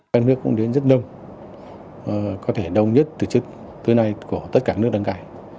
các nước cũng đến rất đông có thể đông nhất từ chức tới nay của tất cả các nước đánh cải